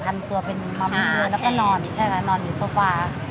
พันตัวเป็นมัมมี่แล้วก็นอนใช่ไหมนอนอยู่โซฟา